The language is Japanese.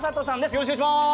よろしくお願いします。